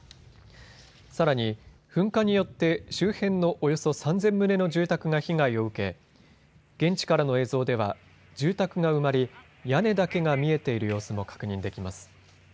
さらに噴火によって周辺のおよそ３０００棟の住宅が被害を受け現地からの映像では住宅が埋まり屋根だけが見えている様子も確認できます。